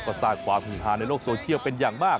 ก็สร้างความฮือฮาในโลกโซเชียลเป็นอย่างมาก